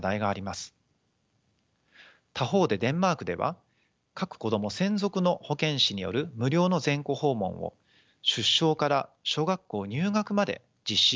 他方でデンマークでは各子ども専属の保健師による無料の全戸訪問を出生から小学校入学まで実施しているとの報告があります。